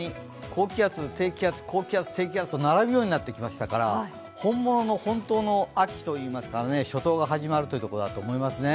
高気圧、低気圧、高気圧と並ぶようになってきましたから本物の本当の秋といいますか初冬が始まるというところだと思いますね。